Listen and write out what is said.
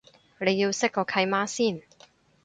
你要識個契媽先